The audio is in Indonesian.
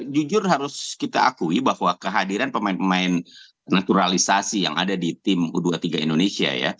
jujur harus kita akui bahwa kehadiran pemain pemain naturalisasi yang ada di tim u dua puluh tiga indonesia ya